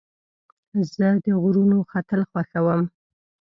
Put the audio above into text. زه د غرونو ختل خوښوم.